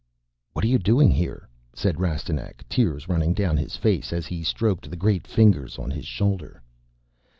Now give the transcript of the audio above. "What are you doing here?" said Rastignac, tears running down his face as he stroked the great fingers on his shoulder.